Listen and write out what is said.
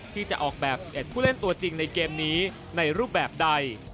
ที่จะออกแบบ๑๑ผู้เล่นตัวจริงในเกมนี้ในรูปแบบใด